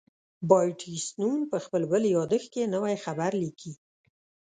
بابټیست نون په خپل بل یادښت کې نوی خبر لیکي.